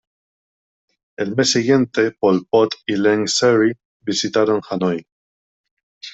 El mes siguiente, Pol Pot y Ieng Sary visitaron Hanói.